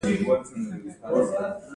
اضافي ارزښت به ورسره یو نیم سل میلیونه شي